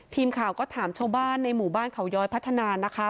ทีมข่าวก็ถามชาวบ้านในหมู่บ้านเขาย้อยพัฒนานะคะ